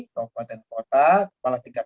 kota kepala tingkat